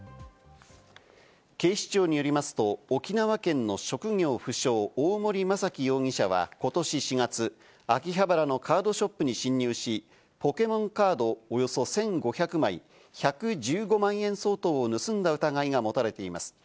警視庁によりますと、沖縄県の職業不詳・大森正樹容疑者はことし４月、秋葉原のカードショップに侵入し、ポケモンカードおよそ１５００枚、１１５万円相当を盗んだ疑いが持たれています。